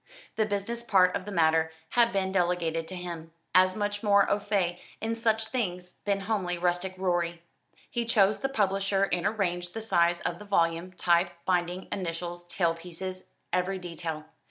The business part of the matter had been delegated to him, as much more au fait in such things than homely rustic Rorie. He chose the publisher and arranged the size of the volume, type, binding, initials, tail pieces, every detail.